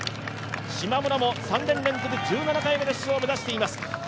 しまむらも３年連続１７回目の出場を目指しています。